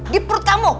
di perut kamu